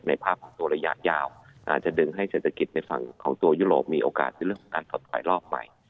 ภาพของตัวระยะยาวอาจจะดึงให้เศรษฐกิจในฝั่งของตัวยุโรปมีโอกาสในเรื่องของการสดขายรอบใหม่